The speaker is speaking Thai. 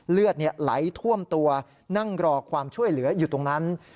เลือดไหลท่วมตัวนั่งรอความช่วยเหลืออยู่ตรงนั้น